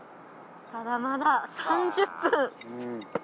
ただまだ３０分。